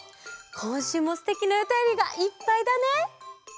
こんしゅうもすてきなおたよりがいっぱいだね。